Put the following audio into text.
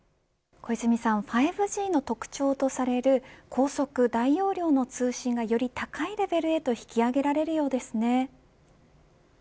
５Ｇの特徴とされる高速大容量の通信がより高いレベルへと引き上げられるようですね。